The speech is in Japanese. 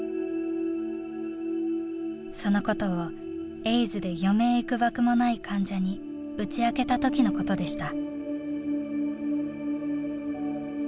そのことをエイズで余命いくばくもない患者に打ち明けた時のことでした。